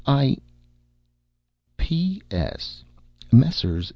I P. S. Messrs.